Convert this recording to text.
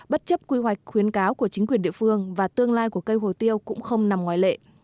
bất chấp quy hoạch khuyến cáo của chính quyền địa phương và tương lai của cây hồ tiêu cũng không nằm ngoài lệ